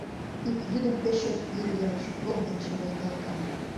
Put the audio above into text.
Ик йӱдым пеш чот йӱр йӱреш, волгенче волгалта.